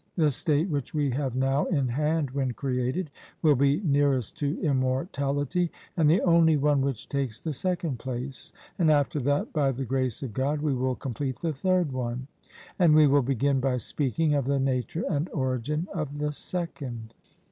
The state which we have now in hand, when created, will be nearest to immortality and the only one which takes the second place; and after that, by the grace of God, we will complete the third one. And we will begin by speaking of the nature and origin of the second.